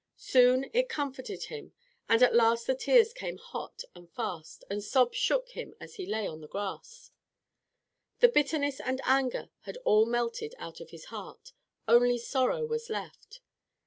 Soon it comforted him, and at last the tears came hot and fast, and sobs shook him as he lay on the grass. The bitterness and anger had all melted out of his heart; only sorrow was left.